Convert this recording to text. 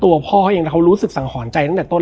แล้วสักครั้งหนึ่งเขารู้สึกอึดอัดที่หน้าอก